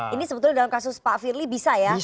ini sebetulnya dalam kasus pak firly bisa ya